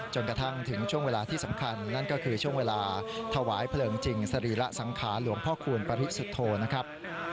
จนกระทั่งถึงช่วงเวลาที่สำคัญนั่นก็คือช่วงเวลาถวายเพลิงจริงสรีระสังขารหลวงพ่อคูณปริสุทธโธนะครับ